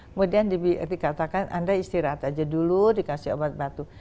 kemudian dikatakan anda istirahat saja dulu dikasih obat batuk